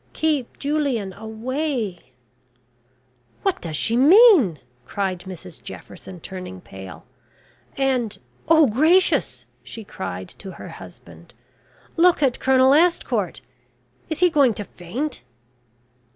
keep Julian away " "What does she mean?" cried Mrs Jefferson, turning pale. "And oh gracious!" she cried to her husband, "look at Colonel Estcourt. Is he going to faint?"